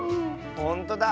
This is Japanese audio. ほんとだ。